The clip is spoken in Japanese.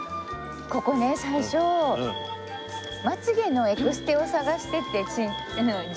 ここね最初まつ毛のエクステを探してて実家のすぐ近くで。